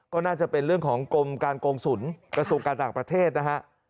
ก็น่าจะเป็นเรื่องของกรมการโกงศูนย์กระทรวงการต่างประเทศนะฮะ